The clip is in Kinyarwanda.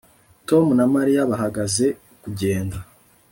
Tom na Mariya bahagaze kugenda